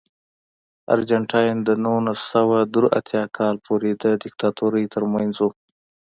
ارجنټاین د نولس سوه درې اتیا کال پورې د دیکتاتورۍ ترمنځ و.